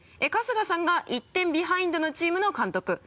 春日さんが１点ビハインドのチームの監督。